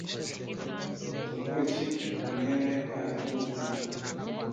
Sadoki u mwene Ahitubu na